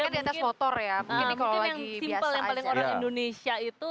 ini mungkin yang simple yang paling orang indonesia itu